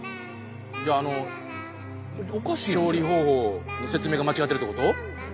じゃああの調理方法の説明が間違ってるってこと？